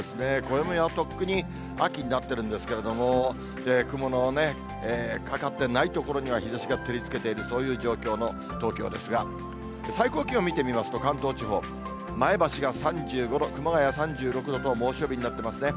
暦はとっくに秋になってるんですけれども、雲のかかってない所には日ざしが照りつけている、そういう状況の東京ですが、最高気温見てみますと、関東地方、前橋が３５度、熊谷３６度と猛暑日になってますね。